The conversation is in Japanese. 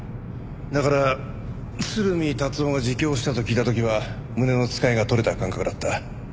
だから鶴見達男が自供したと聞いた時は胸のつかえが取れた感覚だった。